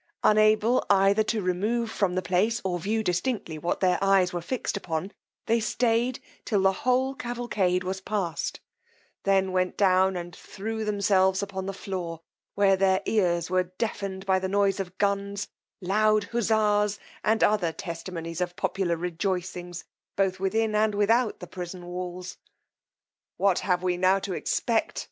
Unable either to remove from the place, or view distinctly what their eyes were fixed upon, they stayed till the whole cavalcade was passed, then went down and threw themselves upon the floor, where their ears were deafen'd by the noise of guns, loud huzza's, and other testimonies of popular rejoicings, both within and without the prison walls. What have we now to expect?